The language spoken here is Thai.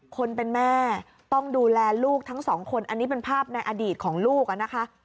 คนเป็นแม่ต้องดูแลลูกทั้งสองคนอันนี้เป็นภาพในอดีตของลูกนะคะ